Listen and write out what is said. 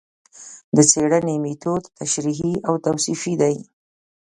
د څېړنې مېتود تشریحي او توصیفي دی